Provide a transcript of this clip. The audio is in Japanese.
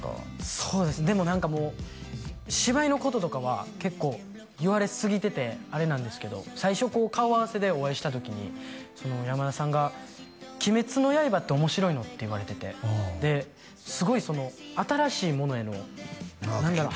そうですねでも何かもう芝居のこととかは結構言われすぎててあれなんですけど最初こう顔合わせでお会いした時に山田さんが「「鬼滅の刃」って面白いの？」って言われててすごい新しいものへの何だろう